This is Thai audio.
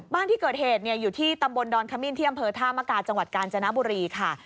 บ้านที่เกิดเหตุอยู่ที่ตำบลดอนขมิ้นที่อำเภอท่ามกาจังหวัดกาญจนบุรีค่ะ